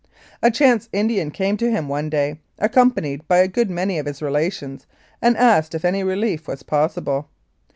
A chance Indian came to him one day, accom panied by a good many of his relations, and asked if any relief was possible.